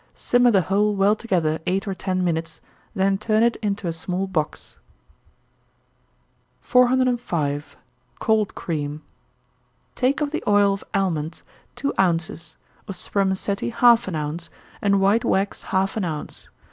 Simmer the whole well together eight or ten minutes, then turn it into a small box. 405. Cold Cream. Take of the oil of almonds two ounces, of spermaceti half an ounce, and white wax half an ounce.